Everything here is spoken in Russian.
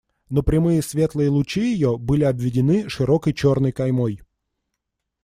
Но прямые светлые лучи ее были обведены широкой черной каймой.